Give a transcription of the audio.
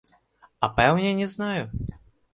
А пэўне не знаю.